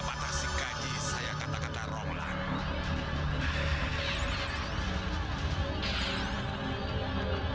apatah si gaji saya kata kata ronglan